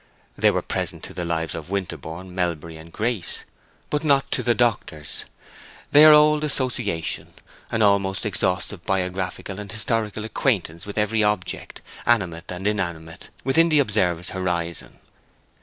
They were present to the lives of Winterborne, Melbury, and Grace; but not to the doctor's. They are old association—an almost exhaustive biographical or historical acquaintance with every object, animate and inanimate, within the observer's horizon.